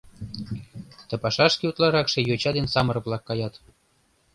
Ты пашашке утларакше йоча ден самырык-влак каят.